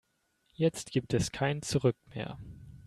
Jetzt gibt es kein Zurück mehr.